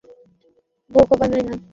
কেউ ওরসনকে বোকা বানায় না!